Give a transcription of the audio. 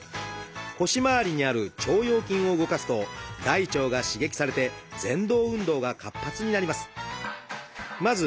腰まわりにある腸腰筋を動かすと大腸が刺激されてぜん動運動が活発になります。